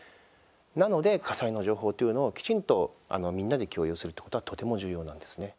なので、火災の情報というのをきちんと、みんなで共有するってことはとても重要なんですね。